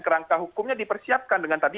kerangka hukumnya dipersiapkan dengan tadi